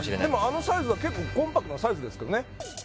あのサイズは結構コンパクトなサイズですけどね